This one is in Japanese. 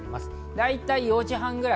大体４時半ぐらい。